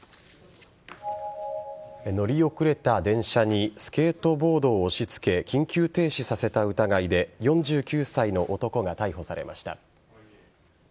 乗り遅れた電車にスケートボードを押し付け緊急停止させた疑いで４９歳の男が逮捕されました。